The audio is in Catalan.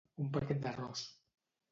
Un paquet d'arròs.